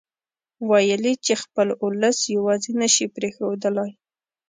ويل يې چې خپل اولس يواځې نه شي پرېښودلای.